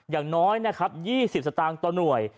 อย่างน้อย๒๐สตางค์ต่อหน่วย